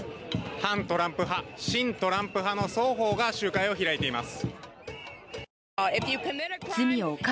反トランプ派、親トランプ派の双方が集会を開いています。